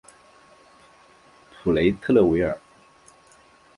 普雷特勒维尔。